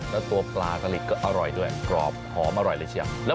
แล้วตัวปลากะหลิดก็อร่อยด้วยกรอบหอมอร่อยเลยเชียว